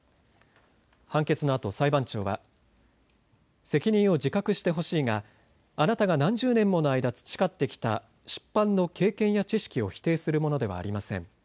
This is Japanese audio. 判決のあと裁判長は責任を自覚してほしいがあなたが何十年もの間、培ってきた出版の経験や知識を否定するものではありません。